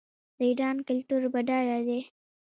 د ایران کلتور بډایه دی.